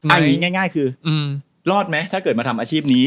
เอาอย่างนี้ง่ายคือรอดไหมถ้าเกิดมาทำอาชีพนี้